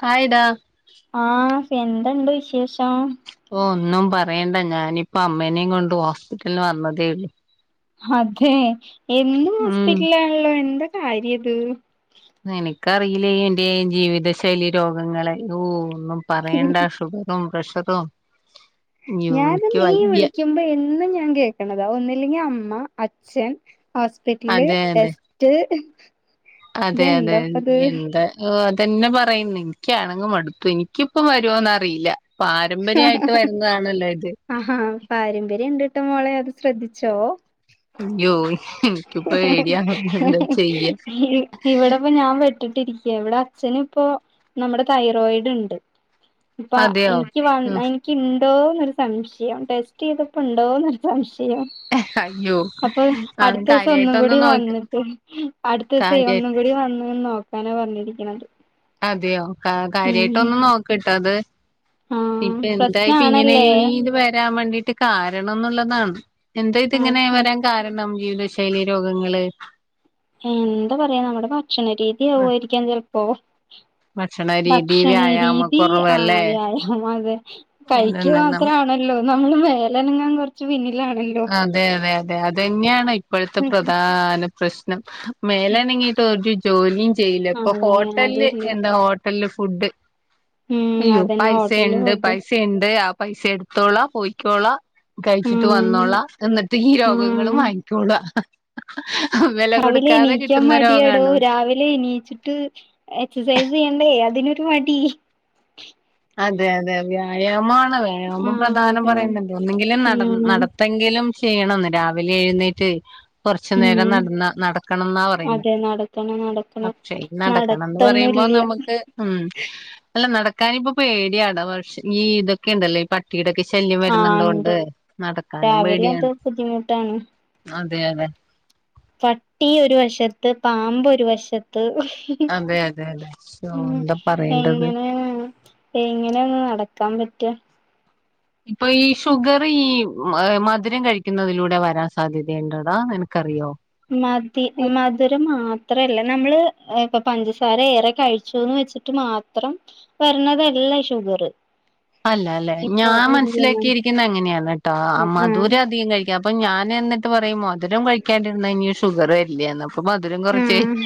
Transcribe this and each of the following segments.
Hi ഡാ ആഹ് എന്തുണ്ട് വിശേഷം ഓ ഒന്നും പറയണ്ട ഞാനിപ്പ അമ്മേനിം കൊണ്ട് ഹോസ്പിറ്റൽന്ന് വന്നതേയുള്ളൂ അതെ എന്നും ഉം ഹോസ്പിറ്റലാണല്ലോ എന്താ കാര്യ ഇത് നിനക്കറിയില്ലേ എന്റെ ഈ ജീവിത ശൈലി രോഗങ്ങളെ ഓ ഒന്നും പറയണ്ട ഷുഗറും പ്രഷറും അയ്യോ ഞാനും എനിക്ക് നീ വയ്യ വിളിക്കു എന്നും ഞാൻ കേൾക്കണതാ ഒന്നില്ലെങ്കിൽ അമ്മ അച്ഛൻ ഹോസ്പിറ്റല് അതെ അതെ ടെസ് റ്റ് അതെ അതെ നീ എന്താ ഓ അതെന്നെ പറയുന്നെ ഇൻക്കാണെങ്കി മടുത്തു ഇൻക്കിപ്പം വരുവോന്നറിയില്ല പാരമ്പര്യായിട്ട് വരുന്നതാണല്ലോ ഇത് ആഹ് പാരമ്പര്യം ഇണ്ട്ട്ട മോളെ അത് ശ്രദ്ധിച്ചോ അയ്യോ എനിക്കിപ്പോ പേടിയാവുന്നു എന്താ ചെയ്യാ ഇവിടെപ്പം ഞാൻ പെട് പെട്ടിട്ടിരിക്യാ ഇവടെ അച്ഛന്പ്പോ നമ്മടെ തൈറോയിഡ് ഉണ്ട് ഇപ്പ അതെയോ എൻ എനിക്ക് വ ഉം എനിക്ക്ണ്ടോന്നൊരു സംശയം ടെസ്റ്റ് ചെയ്തപ്പോ ഇണ്ടോന്നൊരു സംശയം അയ്യോ അപ്പൊ അത് അടുത്തോസം ഒന്നും കൂടി കാര്യായിട്ടൊന്നും നോക്ക വന്നിട്ട് അട് അട്ത്തോസെ കാര്യായി ഒന്നും കൂടി വന്നൊന്ന് നോക്കാനാ പറഞ്ഞിരിക്ക്ണത് അതെയോ കാ കാര്യായിട്ടൊന്ന് നോക്ക്ട്ടോ അത് ആഹ് ഇപ്പ എന്തായിപ്പ ഇങ്ങനെ പ്രശ്നാണല്ലേ ഇത് വരാൻ വേണ്ടീട്ട് കാരണംന്നുള്ളതാണ് എന്താ ആഹ് ഇതിങ്ങനെ ആഹ് വരാൻ കാരണം ജീവിത ശൈലി രോഗങ്ങള് എന്താ പറയാ നമ്മുടെ ഭക്ഷണ രീതിയാവുവായിരിക്കാം ചെലപ്പോ ഭക്ഷണ രീതി ഭക്ഷണ രീതി വ്യായാമക്കുറവ് ആ അല്ലേ വ്യായാമം അതെ കര്ക്ക് മാത്രാണ് ല്ലോ നമ്മള് മേലനെങ്ങാൻ കൊർച്ച് പിന്നിലാണല്ലോ അതെ അതെ അതെ അതെന്നെയാണ് ഇപ്പഴത്തെ പ്രധാന പ്രശ്നം മേലനങ്ങീട്ട് ഒരു ജോലിയും ചെയ്യില്ല ഇപ്പൊ അതെ ഹോട്ടല് അതില്ല എന്താ ഹോട് ട്ടൽ ഫുഡ് ഉം അയ്യോ അതന്നെ പൈസ ഹോട്ടലില് ഇണ്ട് ഫുഡും പൈസ ഇണ്ട് അപ് പൈസ എടുത്തോളാ പോയ്ക്കോളാ കഴിച്ചിട്ട് വന്ന് ഉം വന്നോളാ എന്നിട്ട് ഈ ഉം രോഗങ്ങളും വാങ്ങിക്കോളാ വെല കൊടുക്കാതെ കിട്ടുന്ന രോഗാണൊ അല്ലേ നീച്ചിട്ട് എക്സസൈസ് ചെയ്യണ്ടേ അതിനൊരു മടി അതെ അതെ വ്യായാമാണ് വ്യായാമം ആഹ് പ്രധാനം അതെ പറയ്ണ്ടല്ലോ ഒന്നെങ്കിൽ നടന് നടത് ഉം നടത്തെങ്കിലും ചെയ്യണംന്ന് രാവിലെ എഴുന്നേറ്റ് കൊറച്ച് നേരം ഉം നടന്ന നടക്കണംന്നാ പറയുന്നെ അതെ നടക്കണം നടക്കണം പക്ഷേ ഇത് നടക്കാ നന്ദി പറയുമ്പോ നടത്തൊന്നുംല്ല്യ നമുക്ക് ഉം അല്ല നടക്കാനിപ്പം പേടിയാടാ ഈ ഇതൊക്കെ ഇണ്ടല്ലോ പട് പട്ടീടൊക്കെ ശല്യം ആഹ് ഉണ്ട് വരുന്ന്ള്ളോണ്ട് നടക്കാനും രാവിലെ അത് പേടിയാണ് ബുദ്ധിമുട്ടാണ് അതെ അതെ പട്ടി ഒരു വശത്ത് പാമ്പ് ഒരു വശത്ത് അതെ അതെ അതെ ശോ ഉം എന്താ പറയേണ്ടത് എങ്ങനെ ആണ് എങ്ങനെയ ഒന്ന് നടക്കാൻ പറ്റാ ഇപ്പൊ ഈ ഷുഗർ ഈ മധുരം കഴിക്കുന്നതിലൂടെ വരാൻ സാധ്യതയേണ്ടടാ നിനക്കറിയോ മതി മധുരം മാത്രല്ല നമ്മള് ഇപ്പൊ പഞ്ചസാര ഏറെ കഴിച്ചുന്ന് വെച്ചിട്ട് മാ ത്രം വരണതല്ല ഈ ഷുഗറ് അല്ല അല്ലേ ഞാൻ മനസ്സിലാക്കിയിരിക്കുന്നേ അങ്ങനെയാണ ട്ടോ ആഹ് ആഹ് മധുരധികം കഴി ക്കാ അപ്പൊ ഞാൻ എന്നിട്ട് പറയും മധുരം കഴിക്കാണ്ടിരുന്നേയ്ഞ്ഞാ ഷുഗറ് വരില്ല്യാന്ന് ഇപ്പം മധുരം കുറച്ചേ ആഹ്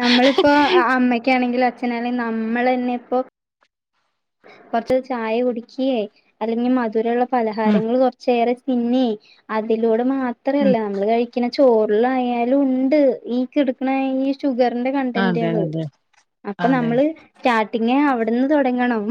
നമ്മളിപ്പോ അ അമ്മയ്ക്കാണെങ്കിലും അച്ഛനാണെങ്കും നമ്മളെന്നെ ഇപ്പോ കൊറച്ച് ചായ കുടിക്ക്യേ അല്ലെങ്കി മധുരള്ള ഉം പലഹാരങ്ങൾ കൊറച്ച് ച്ചേറെ തിന്നേ അതിലൂടെ ഉം മാത്രല്ല നമ്മള് കഴി ക്ക്ണ ചോറിലായാലും ഇണ്ട് ഈ കിട് ക്കണ ഈ ഷുഗറിന്റെ അതെ കണ്ടന്റാണ് അതെ അപ്പ അതെ നമ്മള് സ്റ്റാർട്ടിങ്ങ് അവിടുന്ന് തൊടങ്ങണം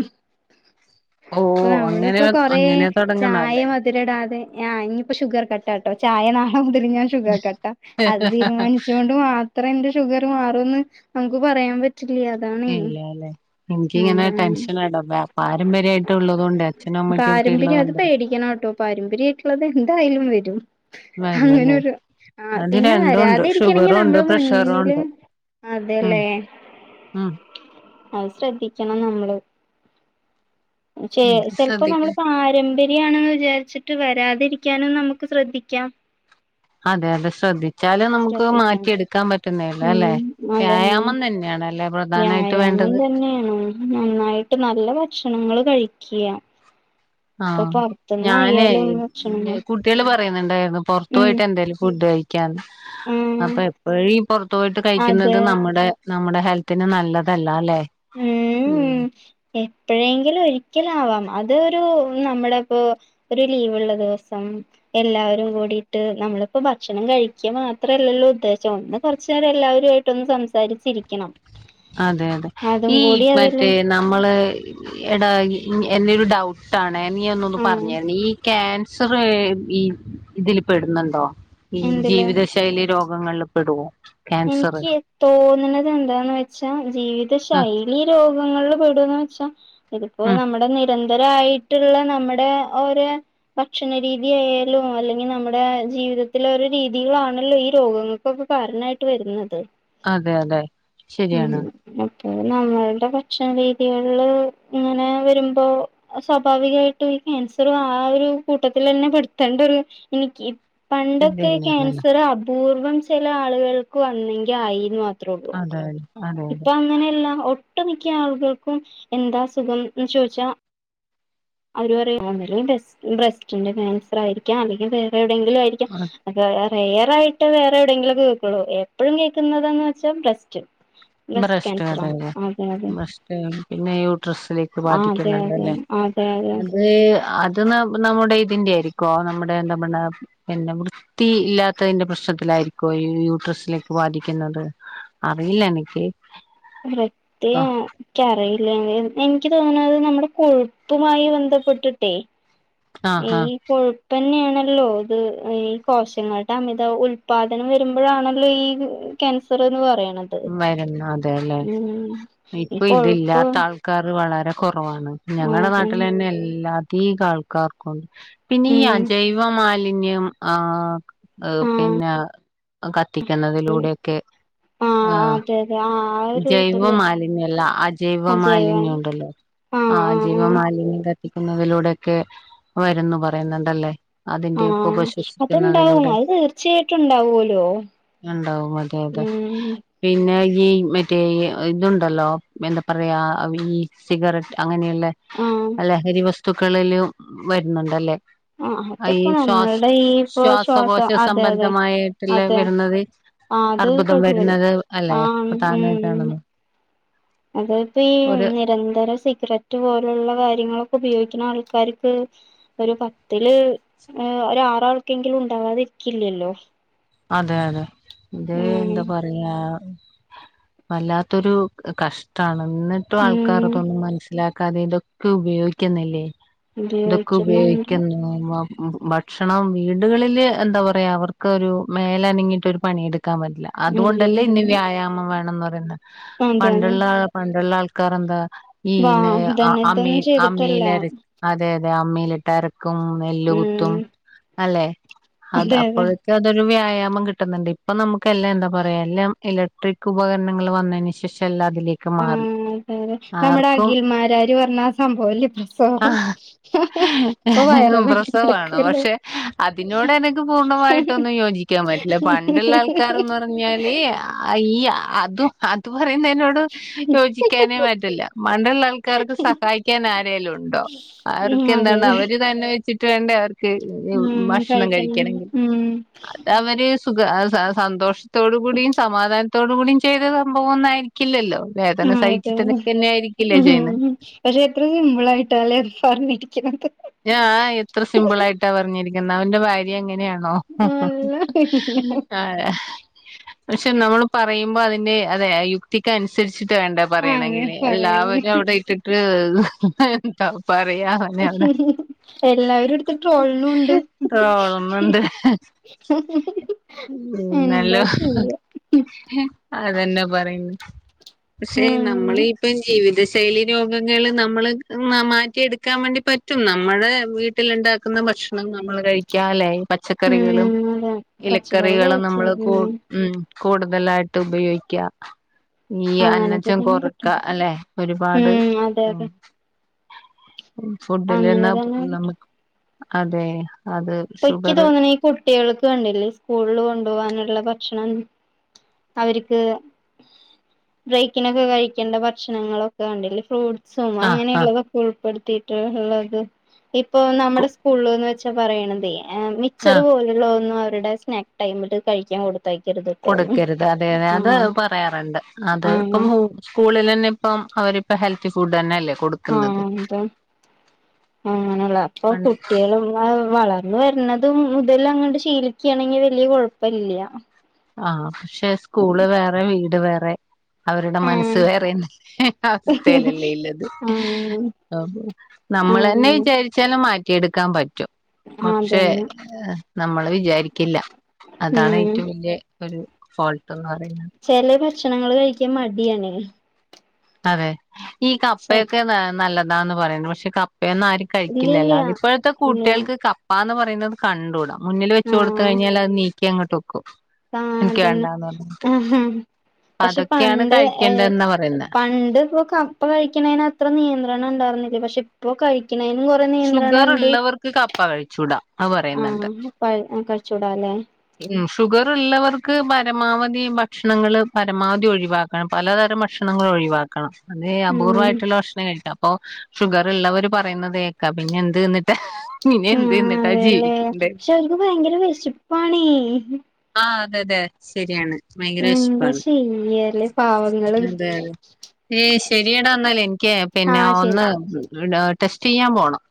ഓ അപ്പൊ അങ്ങനെ നമ്മളിപ്പോ കൊറേ അങ്ങനെ തുടങ്ങണം ചായ അല്ലേ മ ധിലിടാതെ ആ ഇനിയിപ്പോ ഷുഗർ കട്ടാട്ടോ ചായ നാളെ മുതല് ഞാൻ ഷുഗർ കട്ടാ അത് തീരുമാനിച്ചൊണ്ട് മാ ത്രന്റെ ഷുഗർ മാറുംന്ന് നമുക്ക് പറയാൻ പറ്റില്ല അതാണേ ഇല്ല്യാല്ലേ എനിക്കിങ്ങനെ അതാണ് ടെൻഷനാടൊ ബേ പാരമ്പര്യായിട്ട് ഉള്ളതൊണ്ടേ അച്ഛനും അമ്മയ്ക്കും ഒക്കെ ഉള്ളതൊണ്ടേ ടിക്കനാട്ടോ പാരമ്പര്യായിട്ടുള്ളത് എന്തായാലും വരും വരും അല്ലേ അങ്ങനൊരു ആ അത് പിന്നെ രണ്ടും ഉണ്ട് വരാതെരിക്കണെങ്കി ഷുഗറും ഉണ്ട് നമ്മള് പ്രഷറും മുന്നില് ഉണ്ട് അതെല്ലേ ആഹ് അത് ശ്രദ്ധിക്കണം നമ്മള് ചെ എന്ത് ചെലപ്പോ ശ്രദ്ധിക്കാ നമ്മള് പാരമ്പ ര്യാണെന്ന് വിചാരിച്ചിട്ട് വരാതിരിക്കാനും നമുക്ക് ശ്രദ്ധിക്കാം അതെ അതെ ശ്രദ്ധി വെച്ചാലും നമുക്ക് ശ്രദ്ധിക്കാം മാറ്റിയെടുക്കാൻ പറ്റുന്നതേല്ലോ അല്ലെ ഉം അതന്നെ വ്യായാമം തന്നെയാണ് അല്ലേ പ്ര വ്യായാമം തന്നെയാണ് നന്നായിട്ട് നല്ല ഭക്ഷണങ്ങള് കഴിക്ക്യാ പ്പൊ ആഹ് പുറത്തുന്ന് ആയാലും ഭക്ഷണങ്ങൾ കുട്ട്യാള് പറയുന്നുണ്ടായ്രുന്നു പുറത്ത് ഉം പോയിട്ട് എന്തേലും ഫുഡ് കയ ക്കാ ഉം അപ്പൊ എപ്പഴും ഈ പൊറത്തു പോയിട്ട് കഴിക്കുന്നത് അതെ നമ്മുടെ നമ്മുടെ ഹെൽത്തിന് നല്ലതല്ലാല്ലെ ഉം എപ്പോഴെങ്കിലും ഒരിക്കലാവാം അതോരു നമ്മളെപ്പോ ഒരു ലീവ്ള്ള ദിവസം എല്ലാവരും കൂടിട്ട് നമ്മളിപ്പോ ഭക്ഷണം കഴിക്കാ മാത്രല്ലല്ലോ ഉദ്ദേശം ഒന്ന് കുറച്ചേരം എല്ലാവരും ആയി ട്ടൊന്ന് സംസാരിച്ചിരിക്കണം അതെ അതെ അതും ഈ കൂടി അതില് മറ്റേ ന നമ്മളെ എടാ എന്റെരു ഡൗട്ടാനെ നീ ഒന്നൊന്ന് ആ പറഞ്ഞ് തരണേ ഈ കാൻ സർ ഈ ഇതില് പെടുന്നുണ്ടോ ഈ എന്തില് ജീവിത ശൈ ശൈലി രോഗങ്ങളില് പെടോ എനിക്ക് തോന്നണത് എന്താന്ന് വെച്ചാ ജീവിത ആ ശൈലിയിലോ രോഗങ്ങളില് പേടൊന്നു വെച്ചാ ഇതിപ്പോ ഉം നമ്മുടെ നിരന്ത ന്തരായിട്ടുള്ള നമ്മുടെ ഓരെ ഭക്ഷണരീതിയായാലും അല്ലെങ്കി നമ്മുടെ ജീവിതത്തിലെ ഓരോ രീതികളാണല്ലോ ഈ രോഗങ്ങൾ ക്കൊക്കെ കാരണായിട്ട് വരുന്നത് അതെ അതെ ഉം ശരിയാണ് അപ്പൊനമ്മൾടെഭക്ഷണരീതികൾള് ഇങ്ങനെവെരുമ്പോ അഹ് സ്വാഭാവികയായിട്ട് ഈ ക്യാൻസറും ആഒരുകൂട്ടത്തിലന്നെ പെടുത്തേണ്ടൊരു ഇൻക്കി പണ്ടൊക്കെ ഇതന്നെയാണല്ലോ ഈക്യാൻസറ് അപൂർവം ചെലആള്കൾക്കുവന്നെങ്കിആയിന്ന് മാത്രഒള്ളൂ അതായി ഇപ്പൊഅങ്ങനെയല്ല ഒട്ടുമിക്ക്യ ആളുകൾക്കും എന്താഅസുഖംചോയ്ച്ചാ അവര് പറയും ഒന്നുങ്കി ബ്രസ്ബ്രസ്റ്റിന്റെ ക്യാൻസറായിരിക്ക്യാ അല്ലെങ്കിവേറെ എവിടെയങ്കിലുംആയിരിക്ക്യാ അതെ അത് റയറായിട്ട് വേറെ എവിടെയെങ്കിലുംകേക്കുള്ളൂ എപ്പഴുംകേക്കുന്നതന്ന് വെച്ചാബ്രസ്റ്റ് ബ്രസ്റ്റ് അതെ ബ്രസ്റ്റ്കേൻസറാണ് അതെ അതെ ബ്രസ്റ്റ് പിന്നെ യൂട്രസിലേക്ക് ആഹ് അതെ അതെ ആഹ് വേദന ത് അത് ന നമ്മുടെ ഇതിന്റെ ആയിരിക്കോ നമ്മുടെഎന്താബണ്ണ പിന്നെ വൃത്തി ഇല്ലാത്തതിന്റെ പ്രശ്നത്തിലായിരിക്കോ ഈ യൂട്രസിലേക്ക് ബാധിക്കുന്നത് അറിയില്ലഎനിക്ക് വൃത്തി ഇക്ക്യക്കറിയില്ല എങ്ങനേന്ന് എനിക്കി തോന്നന്നത് നമ്മുടെ കൊഴുപ്പുമായി ബന്ധപ്പെട്ടിട്ടേ ഈ ആഹ് കൊഴുപ്പന്നേണല്ലോ ഇത് ഈ കോശങ്ങൾടെ അമിത ഉൽപാദനം വരുമ്പോഴാണല്ലോ ഈ ക്യാൻസറ്ന്ന് പറയ്ണത് വരന്നു അതേല്ലേ ഈ കൊഴുപ്പ് ഇപ്പൊഇതില്ലാത്ത ആൾ ക്കാറ് വളരെകുറവാണ് ഞങ്ങളെ അതന്നെ നാട്ടിലെന്നേഎല്ലാധീകാൾക്കാർക്കും പിന്നെ ഈ ഉം അജൈവമാലിന്യം ആഹ് ആഹ് പിന്നെ കത്തിക്കുന്നതിലൂടൊയൊക്കെ ആഹ് അതെ അതെ ആഹ് ജൈവമാലിന്യല്ല അജൈവം അജൈവമാലിന്യോണ്ടല്ലോ ആഹ് അജൈവമാലിന്യ കത്തിക്കുന്നതിലൂടെയൊക്കെ വരുന്നു പറയ്ന്ന്ണ്ടല്ലേ ആഹ് അത്ണ്ടാവും അഹ് തീർച്ചയായിട്ടും ഉണ്ടാവോല്ലോ ഇണ്ടാവും അതെ അതെ പിന്നെ ഈ മറ്റേ ഇതുണ്ടല്ലോ എന്താപറയാ ഈസിഗററ്റ് അങ്ങനെയുള്ളേ ആഹ് ലഹരി വസ്തുക്കളിലും വരുന്നുണ്ടല്ലേ ആഹ് ഐ അതിപ്പോ ഈശ്വാസ് നമ്മളുടെ ഈ ഇപ്പൊ ശ്വാസകോശ ശ്വാസം അതെ അതെ സംബന്ധമായിട്ട്ള്ളേ അതെ വെരുന്നത് ആഹ് അത് പ്രതിഫലിക്കും അർബുദംവെര്ന്നത് അല്ലെ ആഹ് പ്രധാനഇതാണെന്ന് അത് ഈ നിരന്തരം സിഗരറ്റ് റ്റ്പോലുള്ള കാര്യങ്ങളൊക്കെ ഉപയോഗിക്ക്ണആൾക്കാര്ക്ക് ഒരു പത്തില് ഏഹ് ഒരാറാൾക്കെങ്കിലും ഉണ്ടാകാതിരിക്കില്ലല്ലോ അതെ അതെ ഇത് ഉം എന്താപ ഇള്ള വല്ലാത്തൊരുകഷ്ടാണ് ഇന്ന് ഉം റ്റുആൾക്കാറ്തൊന്നും മൻസ്സിലാക്കാതെയും ഇതൊക്കെ ഉപയോഗിക്ക്യുന്നില്ലേ ഇതൊക്കെ ഉപയോഗിക്കുന്നുണ്ട് ഉപയോഗിക്കുന്നു മം ഭക്ഷണം വീടുകളില് എന്താപറയാ അവർക്കൊരു മേലനങ്ങിട്ടൊരു പണിയെടുക്കാപറ്റ്ല ഇല്ല അതുകൊണ്ടല്ലേ ഇല്ല ഇനിവ്യായാമം വേണംന്ന്പറയുന്നേ അതെ അതെ പണ്ട്ള്ള പണ്ട്ള്ള ആൾക്കാറെന്താ വാ ഈനേ അ ഇതന്നെ അമ്മീ ഇതൊന്നും ചെയ്തിട്ടല്ല അമ്മീലര അതെ അതെ അമ്മീലിട്ട്അരക്കും നെല്ല്കുത്തും ഉം അല്ലെ അത് അതെ അതെ അപ്പോഴേക്കു അതൊരു വ്യായാമം കിട്ടുന്ന്ണ്ട് ഇപ്പംനമുക്ക് എല്ലഎന്താപറയാ എല്ലാം ഇല ട്രിക് ഉപകരണങ്ങള് വന്നേന്ശേഷം എല്ലാഅതിലേക്ക്മാറി ആഹ് അതെ നമ്മുടെ അഖിൽമാരാര് പറഞ്ഞ ആ സംഭവല്ല്യേ പ്രസവം ഇപ്പൊ വൈറലായിട്ട് പ്രസവവാണോ നടക്കല്ലേ പക്ഷെ അതിനോടെനക്ക് പൂർണ്ണമായി ട്ടൊന്നും യോജിക്കാൻ പറ്റില്ല പണ്ട്ള്ള ആൾക്കാരൊന്നു പ റഞാല് ഈ അതൊ അത് പറയുന്നേനോ ടു യോജിക്കാനേ പറ്റില്ല പണ്ട്ള്ള ആൾക്കാർക്ക് സഹായിക്കാനാരേലുണ്ടോ? ഉം അവർക്ക് എന്താണ് അതെ അവര്തന്നെ വെച്ചിട്ട് വേണ്ടെ അവർക്ക് ഉം ഭഷ്ണം കഴിക്കണം കഴിക്കണെങ്കില് ഉം അതവര് സുഖ സ സന്തോഷ്ത്തോട് കൂടിം സമാധാനത്തോട് കൂടിം ചെയ്ത സംഭവൊന്നും ആയിരിക്കില്ലല്ലോ? ആ വേദന അതെ സഹിച്ചിട്ട്ന്നെക്കെന്നെ ആയിരിക്കില്ലേ ചെയ്യ്ന്നെ ഉം പക്ഷെ എത്ര സിംപ്ളായിട്ടാല്ലേ പർഞ്ഞിരിക്ക്ണത്? ആ എത്ര സിംപിളായിട്ടാ പർഞ്ഞരിക്ക്ന്നെ അവന്റെ ഭാ ര്യ അങ്ങനെയാണോ? നല്ല ആ അതെ പക്ഷെ നമ്മള് പറയ്മ്പോ അതിന്റെ അതെ ഈ യുക്തിക്ക് അൻസരിച്ചിട്ട് വേണ്ടെ അതെ പറയണങ്കില് പറയാന് എല്ലാവരും അവടെയിട്ടിട്ട് അഹ് പറിയാ എല്ലാവരുട്ത്ത് ട്രോള്ണുണ്ട് ട്രോളുന്നുണ്ട് എന്താ പിന്നല്ലോ ചെയ്യാ അതന്നെ പറയ്ന്ന് പക്ഷെ ഉം നമ്മളീ ഇപ്പം ജീവിത ശൈ ലി രോഗങ്ങള് നമ്മള് മാറ്റിയെട്ക്കാൻ വേണ്ടി പ റ്റും നമ്മള് വീട്ടില്ണ്ടാക്ക്ന്ന ഭക്ഷണം നമ്മള് കഴി ക്ക്യലെ പച്ചക്കറികളും, ഉം അതെ പച്ചക്കറി ഇലക്കറികളും, കഴിക്കാം നമ്മള് കൂ ഉം കൂട്തലായിട്ട് ഉപയോഗിക്ക്യാ ഈ അങ്ങനൊക്കെ അന്നജം തന്നെ കൊറക്ക പറ്റും അല്ലെ? ഒര്പാട് ഉം അതെ അതെ അങ്ങനെ ഫുഡിലന്നെ തന്നെ കിട്ടും നമ്മക്ക് അതെ അത് ഇപ്പക്ക്യ ഷുഗർ തോന്ന്ണ് ഈ കുട്ടിയൾക്ക് കണ്ടില്ലേ സ്കൂളില് കൊണ്ടവാന്ള്ള ഭക്ഷണം അവര്ക്ക് ബ്രേക്കിനൊക്കെ കഴിക്കേണ്ട ഭക്ഷണങ്ങളൊക്കെ കണ്ടില്ലേ ഫ്രൂ ട്സും, ആഹ് ആഹ് അങ്ങനെയുള്ളതൊക്കെ ഉൾപ്പെട്ത്തിട്ട്ള്ളത് ഇപ്പൊ കു നമ്മടെ സ്കൂള്ന്ന് വെ ച്ചാ പറയ്ണതെ മിച്ചറ് ആഹ് പോലുള്ളവ ഒന്നും അവര്ടെ സ്നാക്ക് ടൈംമില് കഴിക്കാൻ കൊട് ത്തയ്ക്കര്ത്ട്ടോന്ന് കൊടുക്കരുത് അതെ അതെ അത് പറയാറ്ണ്ട് അത് ആഹ് ഇപ്പം സ്കൂളിലെന്നെ ഇപ്പം അവരിപ്പ ഹെൽത്തി ഫുഡന്നെല്ലേ കൊട് ആഹ് അതെ അങ്ങനെള്ള ഇപ്പൊ പണ്ട് കുട്ട്യാളും വൾ വളർന്ന് വര്ന്നതും ഇതിലങ്ങട്ട് ശീലിക്കാണെങ്കി വല്ല്യ കൊഴ്പ്പല്ല്യ ആഹ് പക്ഷെ സ്കൂള് വേറെ വീട് വേറെ അവര്ടെ മനസ്സ് ആഹ് വേറിം അവസ്ഥേലല്ലേ ഇല്ലെത് ആഹ് നമ്മളന്നെ ആഹ് വിചാരിച്ചാലും മാറ്റിയെട്ക്കാ പറ്റും പക്ഷേ അതന്നെ നമ്മള് വിചാരിക്കില്ല അതാണ് ഉം ഏറ്റം വല്യ ഒര് ഫോൾട്ടെന്ന് പറിണ് ചെല ഭക്ഷണങ്ങള് കഴിക്കാൻ മടിയാണെ അതെ ഈ സെ കപ്പയൊക്കെ നല്ലതാന്ന് പറയ്ന്ന് പക്ഷെ ക പ്പയൊന്നാരും ഇല്ലില്ല കഴിക്കില്ലല്ലോ? ഇപ്പഴത്തെ ഇല്ല ഇല്ല കുട്ടേൾക്ക് കപ്പാന്ന് പറയ്ന്നത് കണ്ടൂടാ മുന്നില് വെച്ച് കൊട്ത്ത് ആഹ് കഴിഞ്ഞാലത് നീക്കിയങ്ങട്ട് വെക്കും ആഹ് എനിക്ക് അതന്നെ വേണ്ടാന്ന് പറഞ്ഞിട്ട് അപ്പൊ പക്ഷെ അതൊക്കെയാണ് പണ്ട് ഏ കഴിക്കേണ്ടതെന്നാ പറയുന്നത് പണ്ട്പ്പൊ ക പ്പ കഴിക്ക്ണേനത്ര നിയന്ത്രണണ്ടാറ്ന്നില്ല പക്ഷെ ഇപ്പൊ കഴിക്ക്ണേനും കൊറെ നിയന്ത്രണം ഷുഗർ ഇണ്ട് ഉള്ളവർക്ക് കപ്പ കഴിച്ചൂടാ അത് പറയുന്നുണ്ട് ആഹ് പ ആഹ് കഴിച്ചൂട ല്ലേ ഉം ഷുഗറ് ള്ളവർക്ക് പരമാവധി ഭക്ഷണങ്ങള് പരമാവധി ഒഴിവാ ക്കണം പലതരം ഭക്ഷണങ്ങള് ഒഴിവാക്കണം അത് ഉം അപൂർവ്വായിട്ട്ള്ള ഭക്ഷണേ കഴിക്കാ ഓഹ് ഷുഗറ് ള്ളവര് പറിയ്ന്നത് കേക്കാ പിന്നെ എന്ത്ന്നിട്ടാ പിന്നെ എന്ത് ന്നിട്ടാ ജീവിക്കണ്ട് അവര്ക്ക് ഭയങ്കര വെശ പണി ആഹ് അതെ അതെ ശരിയാണ് ഭയങ്കര എന്താ വെശപ്പാണ് ചെയ്യല് പാവങ്ങള് ഏഹ് ശരിയടാ എന്നാല് എനിക്ക് പിന്നെ ആഹ് ശരി ഒന്ന് ടെസ്റ്റ് ചെയ്യാൻ പോണം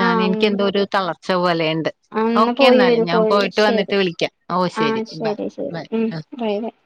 ഞാൻ ആഹ് എനിക്ക് ഉം എന്തോ ഒരു തളർച്ച പോലെയുണ്ട് ആഹ് എന്നാ ഓക്കെ പോയി എന്നാലേ വരൂ ഞാൻ പോയി വരൂ പോയിട്ട് ശരി വന്നിട്ട് വിളിക്കാം ഓ ശരി ആഹ് ബൈ ശെരി ശെരി ബൈ ഉം ആ [unintelligible]